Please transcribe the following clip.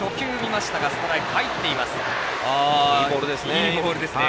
いいボールですね。